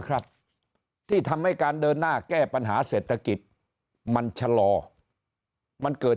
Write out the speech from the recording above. ครับที่ทำให้การเดินหน้าแก้ปัญหาเศรษฐกิจมันชะลอมันเกิด